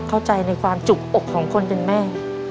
เข้าใจในความจุกอกของคนเป็นแม่